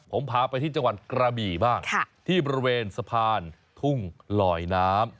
ผมพาไปที่จังหวัดกระบี่บ้างที่บริเวณสะพานทุ่งลอยน้ำ